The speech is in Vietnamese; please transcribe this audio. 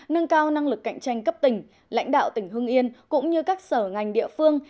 nâng cao năng lực cạnh tranh cấp tỉnh lãnh đạo tỉnh hưng yên cũng như các sở ngành địa phương